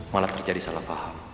malah terjadi salah paham